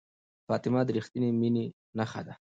فاطمه د ریښتینې مینې نښه ده.